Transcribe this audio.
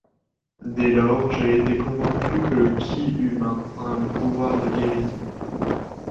Dès lors, j’ai été convaincu que le ki humain a un pouvoir de guérison.